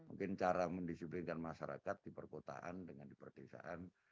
mungkin cara mendisiplinkan masyarakat di perkotaan dengan di perdesaan